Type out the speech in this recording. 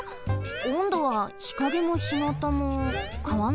おんどは日陰もひなたもかわんなくない？